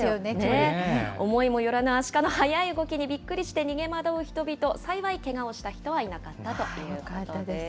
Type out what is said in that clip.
思いもよらないアシカの速い動きにびっくりして逃げ惑う人々、幸いけがをした人はいなかったということです。